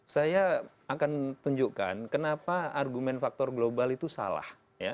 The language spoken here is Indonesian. saya akan tunjukkan kenapa argumen faktor global itu salah